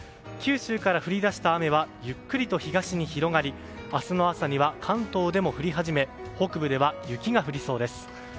九州から降り出した雨はゆっくりと東に広がり明日の朝には関東でも降り始め北部では雪が降りそうです。